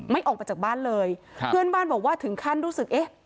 ออกมาจากบ้านเลยครับเพื่อนบ้านบอกว่าถึงขั้นรู้สึกเอ๊ะ